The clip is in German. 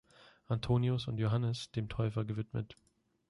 Antonius und Johannes dem Täufer gewidmet.